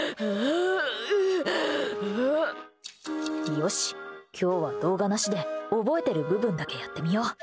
よし、今日は動画なしで覚えている部分だけやってみよう。